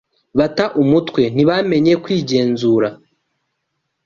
Bata umutwe, ntibamenye kwigenzura,